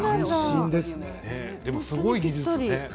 でもすごい技術ね。